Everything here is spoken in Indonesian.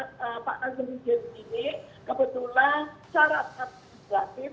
nah terhadap pak nazarudin ini kebetulan syarat administratif